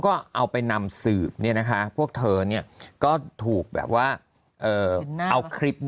ก็เอาไปนำสืบเนี่ยนะคะพวกเธอเนี่ยก็ถูกแบบว่าเอาคลิป